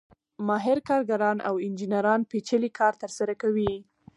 ماهر کارګران او انجینران پېچلی کار ترسره کوي